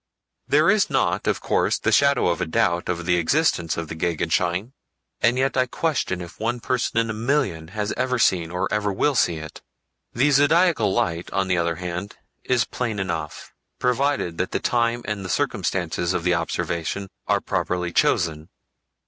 There is not, of course, the shadow of a doubt of the existence of the Gegenschein, and yet I question if one person in a million has ever seen or ever will see it. The Zodiacal Light, on the other hand, is plain enough, provided that the time and the circumstances of the observation are properly chosen.